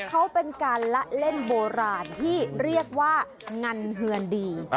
เขาเป็นการละเล่นโบราณที่เรียกว่างันเฮือนดี